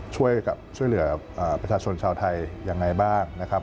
ช่วยเหลือประชาชนชาวไทยยังไงบ้างนะครับ